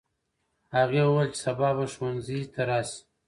هغه وویل چې سبا به ښوونځي ته راسې.